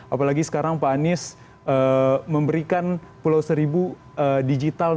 apalagi sekarang pak anies memberikan pulau seribu digital